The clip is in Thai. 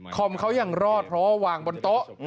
คอมเขายังรอดเพราะว่าวางบนโต๊ะ